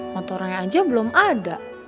motoranya aja belum ada